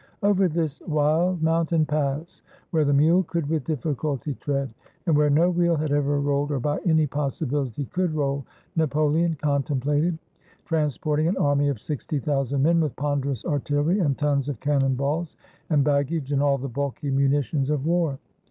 Over this wild mountain pass, where the mule could with difficulty tread, and where no wheel had ever rolled, or by any possibiHty could roll, Napoleon contemplated transport ing an army of sixty thousand men, with ponderous artillery and tons of cannon balls, and baggage, and all the bulky munitions of war.